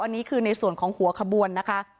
อันนี้คือในส่วนของหัวขบวนนะคะ